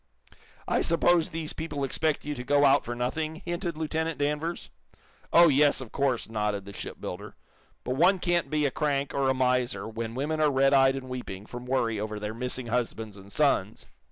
"I suppose these people expect you to go out for nothing," hinted Lieutenant Danvers. "Oh, yes, of course," nodded the shipbuilder. "But one can't be a crank, or a miser, when women are red eyed and weeping from worry over their missing husbands and sons."